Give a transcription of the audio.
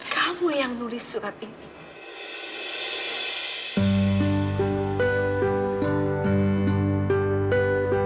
gak mau yang nulis surat ini